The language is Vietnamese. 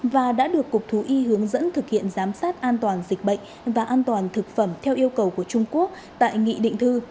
và đã được cục thú y hướng dẫn thực hiện giám sát an toàn dịch bệnh và an toàn thực phẩm theo yêu cầu của trung quốc tại nghị định thư